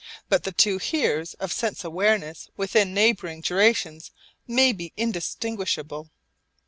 But the two 'heres' of sense awareness within neighbouring durations may be indistinguishable.